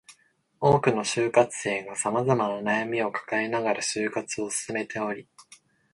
多くの就活生が様々な悩みを抱えながら就活を進めており